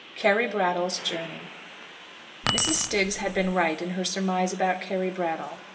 CARRY BRATTLE'S JOURNEY. Mrs. Stiggs had been right in her surmise about Carry Brattle.